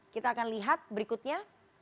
kita akan lihat berikutnya